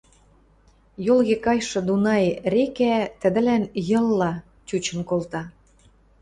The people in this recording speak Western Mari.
Йолге кайшы Дунай река тӹдӹлӓн Йылла чучын колта.